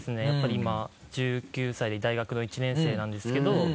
やっぱり今１９歳で大学の１年生なんですけど。